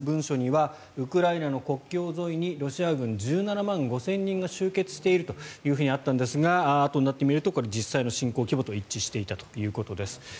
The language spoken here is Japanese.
アメリカの情報機関が作成したとされる文書にはウクライナの国境沿いにロシア軍１７万５０００人が集結しているというふうにあったんですがあとになってみると実際の侵攻規模と一致していたということです。